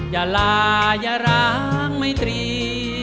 อย่าลาอย่าร้างไม่ตรี